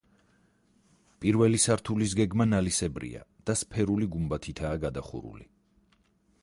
პირველი სართულის გეგმა ნალისებრია და სფერული გუმბათითაა გადახურული.